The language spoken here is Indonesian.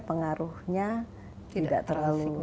pengaruhnya tidak terlalu signifikan